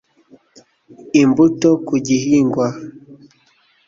imbuto ku gihingwa